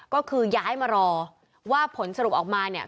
ก็คือย้ายมารอว่าผลสรุปออกมาเนี่ย